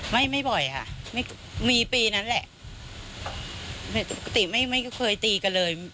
ไม่ไม่บ่อยค่ะไม่มีปีนั้นแหละปกติไม่ไม่เคยตีกันเลย